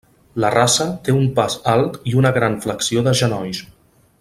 La raça té un pas alt i una gran flexió de genolls.